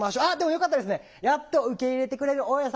よかったですね。